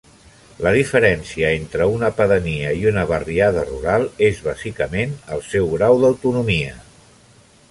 La diferència entre una pedania i una barriada rural és bàsicament el seu grau d'autonomia.